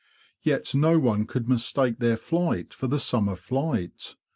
Yet no one could mistake their flight for the summer flight.